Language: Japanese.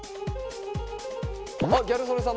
あっギャル曽根さん